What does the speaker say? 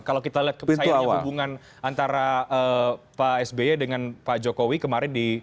kalau kita lihat sayangnya hubungan antara pak sby dengan pak jokowi kemarin di